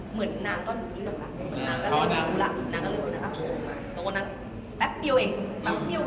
เหมือนนางตอนหนูเริ่มแล้ว